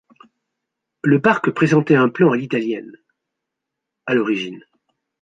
Le parc présentait un plan à l'italienne à l'origine.